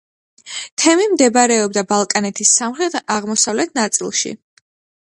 თემი მდებარეობდა ბალკანეთის სამხრეთ-აღმოსავლეთ ნაწილში.